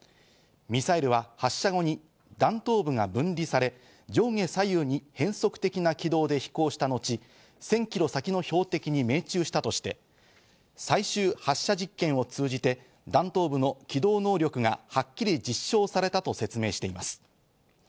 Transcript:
ミサイルは発射後に弾頭部が分離され、上下左右に変則的な軌道で飛行した後、１０００ｋｍ先の標的に命中したとして、最終発射実験を通じて、弾頭部の機動能力がはっきり実証されたと説明しています。